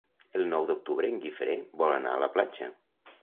El nou d'octubre en Guifré vol anar a la platja.